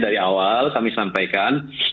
dari awal kami sampaikan